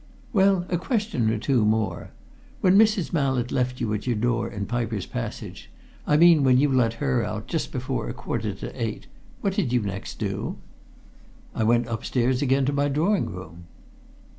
"Well, a question or two more. When Mrs. Mallett left you at your door in Piper's Passage I mean, when you let her out, just before a quarter to eight, what did you next do?" "I went upstairs again to my drawing room."